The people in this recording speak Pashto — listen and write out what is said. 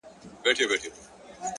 • نه تر کلي سوای چا تېل را رسولای ,